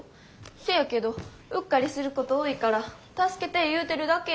せやけどうっかりすること多いから助けて言うてるだけやん。